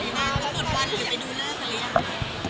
บนพันยาคุณค่ะเปียบดูเรื่องหรือยัง